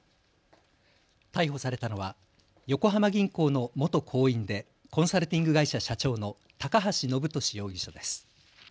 逮捕されたのは横浜銀行の元行員でコンサルティング会社社長の高橋延年容疑者です。